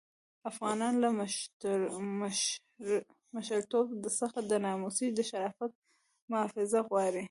افغانان له مشرتوب څخه د ناموس د شرافت محافظت غواړي.